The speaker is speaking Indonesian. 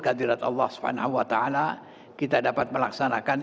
kita dapat melaksanakan